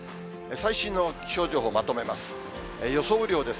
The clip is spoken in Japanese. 最新の気象情報、まとめます。